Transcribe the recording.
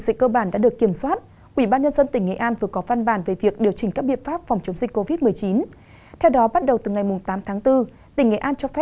các bạn hãy đăng ký kênh để ủng hộ kênh của chúng mình nhé